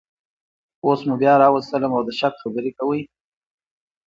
اوس مو بیا راوستلم او د شک خبرې کوئ